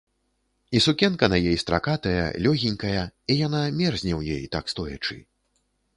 І сукенка на ёй стракатая, лёгенькая, і яна мерзне ў ёй, так стоячы.